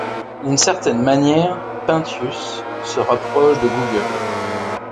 D'une certaine manière, Penthius se rapproche de Google.